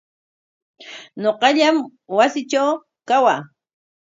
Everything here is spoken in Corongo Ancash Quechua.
Ñuqallam wasiitraw kawaa.